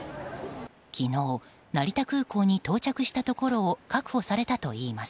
昨日成田空港に到着したところを確保されたといいます。